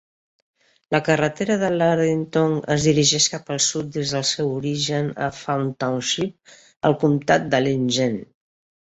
La carretera de Lardintown es dirigeix cap el sud des del seu origen a Fawn Township, al comtat d'Allegheny.